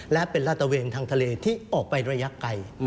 และเป็นลาตะเวนทางทะเลที่ออกไประยะไกล